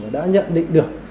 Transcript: đã nhận định được